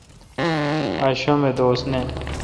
آج شنب دوس نہ۔